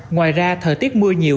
ngoài ra thời tiết mưa